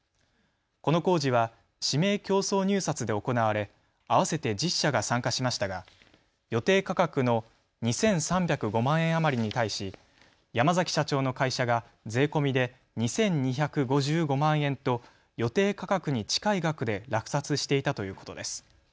この工事は指名競争入札で行われ合わせて１０社が参加しましたが予定価格の２３０５万円余りに対し、山崎社長の会社が税込みで２２５５万円と予定価格に近い額で落札していたということです。